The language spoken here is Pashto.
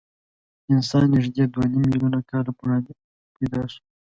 انسان نږدې دوه نیم میلیونه کاله وړاندې پیدا شو.